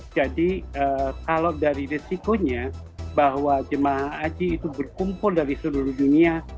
kalau dari resikonya bahwa jemaah haji itu berkumpul dari seluruh dunia